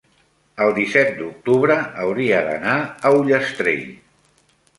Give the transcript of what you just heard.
el disset d'octubre hauria d'anar a Ullastrell.